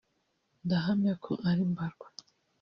ndahamya ko ari mbarwa